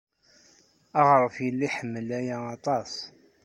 Aɣref yella iḥemmel-aɣ aṭas.